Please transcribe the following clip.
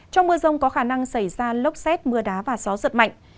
trong mưa rông có khả năng xảy ra lốc xét mưa đá và gió giật mạnh